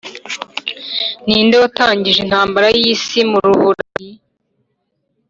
Ninde watangije intambara yisi muruburayi